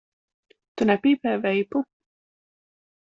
Tu nepīpē veipu?